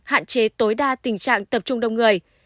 hạn chế tối đa tình trạng tập trung đông người